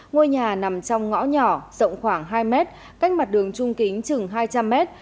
ngôi nhà nằm trong ngõ nhỏ rộng khoảng hai mét cách mặt đường trung kính chừng hai trăm linh mét